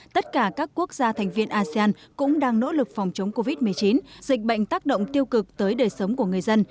tất cả các quốc gia thành viên asean cũng đang nỗ lực phòng chống covid một mươi chín dịch bệnh tác động tiêu cực tới đời sống của người dân